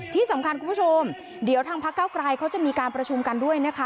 ที่สำคัญคุณผู้ชมเดี๋ยวทางพักเก้าไกรเขาจะมีการประชุมกันด้วยนะคะ